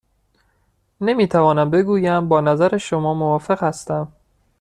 نمی توانم بگویم با نظر شما موافق هستم.